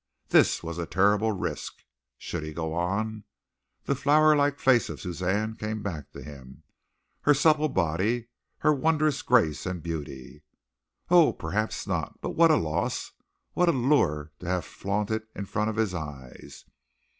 This was a terrible risk. Should he go on? The flower like face of Suzanne came back to him her supple body, her wondrous grace and beauty. "Oh, perhaps not, but what a loss, what a lure to have flaunted in front of his eyes!